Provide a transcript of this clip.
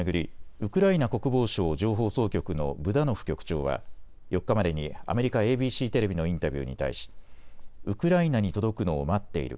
ウクライナ国防省情報総局のブダノフ局長は４日までにアメリカＡＢＣテレビのインタビューに対しウクライナに届くのを待っている。